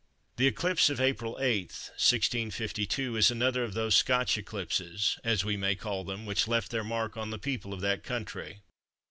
The eclipse of April 8, 1652, is another of those Scotch eclipses, as we may call them, which left their mark on the people of that country.